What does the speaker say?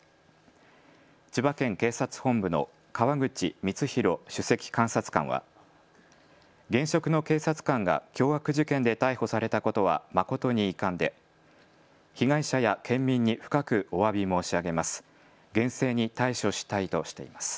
千葉県警察本部の川口光浩首席監察官は現職の警察官が凶悪事件で逮捕されたことは誠に遺憾で被害者や県民に深くおわび申し上げます。